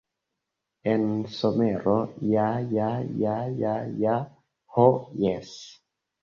En somero, ja ja ja ja ja... ho jes!